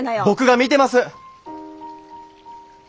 僕が見てます！